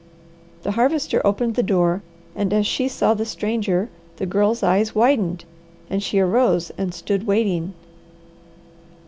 The Harvester opened the door, and as she saw the stranger, the Girl's eyes widened, and she arose and stood waiting.